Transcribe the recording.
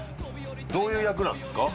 どういう役なんですか？